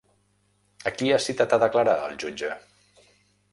A qui ha citat a declarar el jutge?